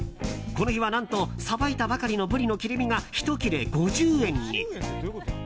この日は何とさばいたばかりのブリの切り身が１切れ５０円に。